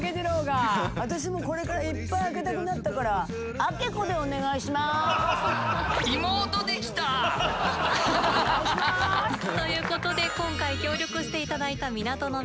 私もこれからいっぱい開けたくなったからお願いします！ということで今回協力して頂いた港の皆様